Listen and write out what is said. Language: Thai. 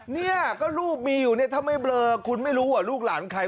เนี่ยก็รูปมีอยู่เนี่ยถ้าไม่เบลอคุณไม่รู้ว่าลูกหลานใคร